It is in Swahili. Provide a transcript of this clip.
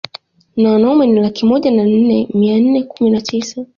Na wanaume ni laki moja na nne mia nne kumi na tisa